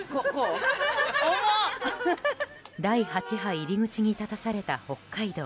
第８波入り口に立たされた北海道。